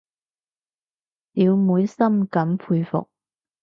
小妹深感佩服